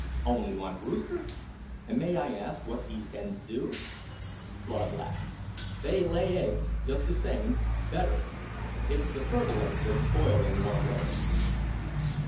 "Only one rooster? And may I ask what these hens do?" Claude laughed. "They lay eggs, just the same, better. It's the fertile eggs that spoil in warm weather."